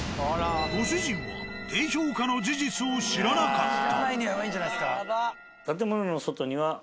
ご主人は低評価の事実を知らなかった。